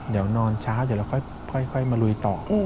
เดี๋ยวนอนช้าเดี๋ยวเราค่อยมาลุยต่อ